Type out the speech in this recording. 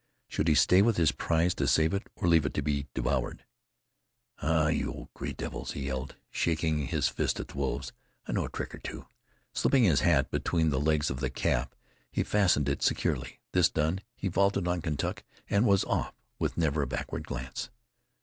Should he stay with his prize to save it, or leave it to be devoured? "Ha! you old gray devils!" he yelled, shaking his fist at the wolves. "I know a trick or two." Slipping his hat between the legs of the calf, he fastened it securely. This done, he vaulted on Kentuck, and was off with never a backward glance.